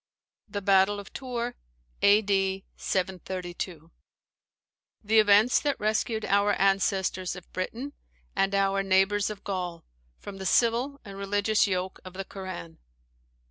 THE BATTLE OF TOURS, A.D. 732, "The events that rescued our ancestors of Britain, and our neighbours of Gaul, from the civil and religious yoke of the Koran."